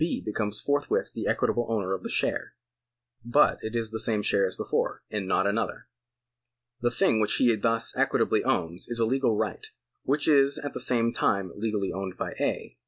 becomes forthwith the equitable owner of the share ; but it is the same share as before, and not another. The thing which he thus equitably owns is a legal right, which is at the same time legally owned by A.